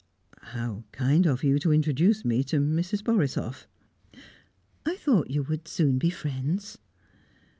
"How kind of you to introduce me to Mrs. Borisoff!" "I thought you would soon be friends."